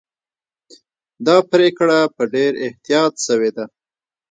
دا پرېکړه په ډېر احتیاط سوې ده.